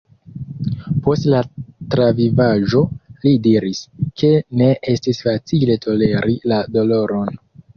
Post la travivaĵo, li diris, ke ne estis facile toleri la doloron.